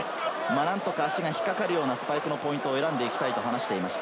なんとか足が引っかかるようなスパイクのポイントを選んでいきたいと話しています。